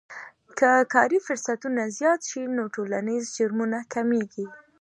که کاري فرصتونه زیات شي نو ټولنیز جرمونه کمیږي.